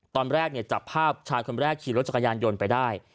ตอนแรกเนี่ยจับภาพชายคนแรกขี่รถจักรยานยนต์ไปได้